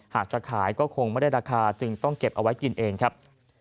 หากจะขายก็คงไม่ได้ราคาจึงต้องเก็บเอาไว้กินเองครับ